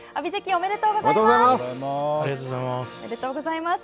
おめでとうございます。